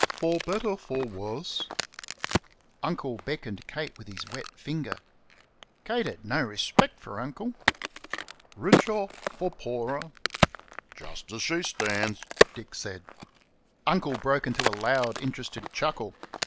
"For better, for worse " Uncle beckoned Kate with his wet finger. Kate had no respect for Uncle. " richer, for poorer?" "Just as she stands!" Dick said. Uncle broke into a loud interested chuckle.